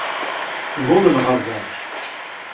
Tḍul lɣerba-k.